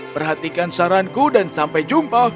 perhatikan saranku dan sampai jumpa